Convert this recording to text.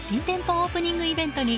オープニングイベントに